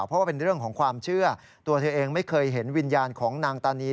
เพราะว่าเป็นเรื่องของความเชื่อตัวเธอเองไม่เคยเห็นวิญญาณของนางตานี